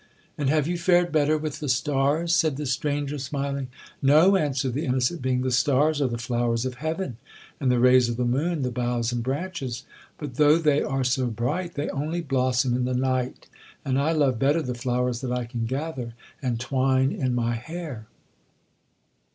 '—'And have you fared better with the stars?' said the stranger smiling.—'No,' answered the innocent being, 'the stars are the flowers of heaven, and the rays of the moon the boughs and branches; but though they are so bright, they only blossom in the night,—and I love better the flowers that I can gather, and twine in my hair.